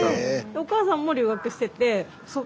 お母さんも留学してたの？